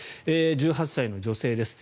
１８歳の女性です。